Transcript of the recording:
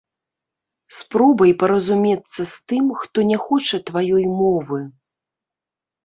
Спробай паразумецца з тым, хто не хоча тваёй мовы.